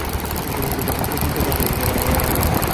সে তো হাতুড়ে ডাক্তার, আর আমার সাথে লড়তে চায়, হ্যাঁ?